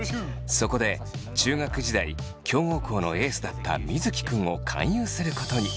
そこで中学時代強豪校のエースだった水城君を勧誘することに。